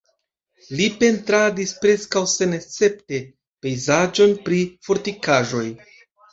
Li pentradis preskaŭ senescepte pejzaĝojn pri fortikaĵoj.